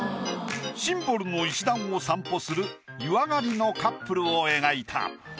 シンボルの石段を散歩する湯上がりのカップルを描いた。